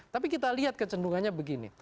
tapi kita lihat kecendungannya begini